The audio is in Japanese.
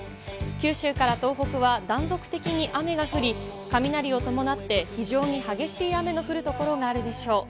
九州から東北は断続的に雨が降り、雷を伴って、非常に激しい雨の降る所があるでしょう。